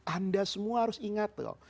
anda semua harus ingat loh